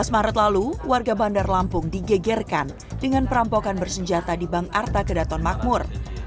dua belas maret lalu warga bandar lampung digegerkan dengan perampokan bersenjata di bank arta kedaton makmur